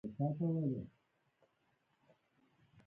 د زندانیانو د عفوې په اړه فرمان.